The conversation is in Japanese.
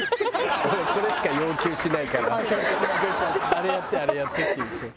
「“あれやってあれやって”って言っちゃう」